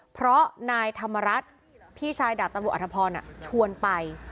เพราะนายธรรมรัฐพี่ชายดาบตำรวจอธพรชวนไป